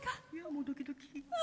もうドキドキ。